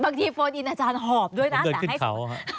บางทีโฟนอินอาจารย์หอบด้วยนะ